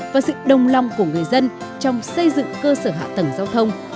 và sự đồng lòng của người dân trong xây dựng cơ sở hạ tầng giao thông